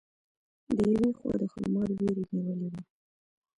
د یوې خوا د ښامار وېرې نیولې وه.